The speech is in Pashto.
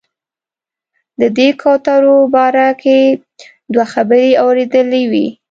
د دې کوترو باره کې دوه خبرې اورېدلې وې.